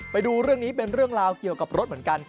ไปดูเรื่องนี้เป็นเรื่องราวเกี่ยวกับรถเหมือนกัน